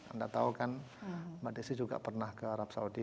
anda tahu kan mbak desi juga pernah ke arab saudi